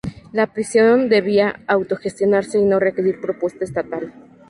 La prisión debía auto-gestionarse y no requerir presupuesto estatal.